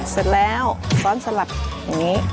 เสร็จแล้วซ้อนสลับอย่างนี้